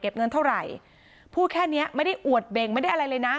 เงินเท่าไหร่พูดแค่เนี้ยไม่ได้อวดเบ่งไม่ได้อะไรเลยนะ